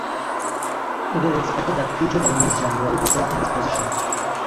It is expected that future governors-general will serve in this position.